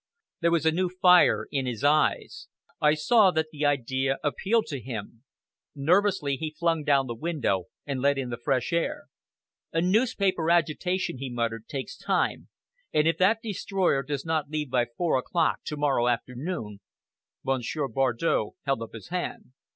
There was a new fire in his eyes. I saw that the idea appealed to him. Nervously he flung down the window and let in the fresh air. "A newspaper agitation," he muttered, "takes time, and if that destroyer does not leave by four o'clock to morrow afternoon " Monsieur Bardow held up his hand.